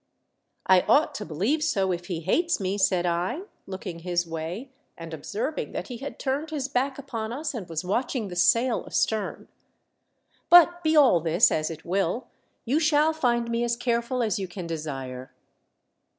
" I ought to beHeve so if he hates me," ^aid I, looking his way and observing that he had turned his back upon us and was watch ing the sail astern. "But be all this as it will, you shall find me as careful as you can desire.